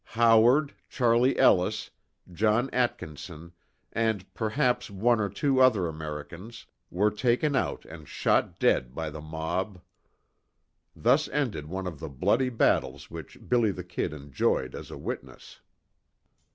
Howard, Charlie Ellis, John Atkinson, and perhaps one or two other Americans, were taken out and shot dead by the mob. Thus ended one of the bloody battles which "Billy the Kid" enjoyed as a witness.